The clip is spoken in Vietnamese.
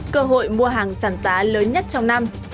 cơ hội mua hàng giảm giá lớn nhất trong năm